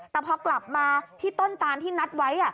แต่พอกลับมาที่ต้นตานที่นัดไว้